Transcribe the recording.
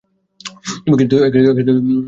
তুমি কি আমার গল্প শুনবে?